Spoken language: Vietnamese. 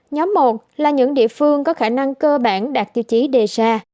nhóm một là những địa phương có khả năng cơ bản đạt tiêu chí đề ra